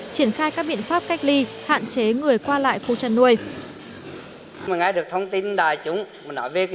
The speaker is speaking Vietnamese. triển khai các biện pháp cách ly hạn chế người qua lại khu chăn nuôi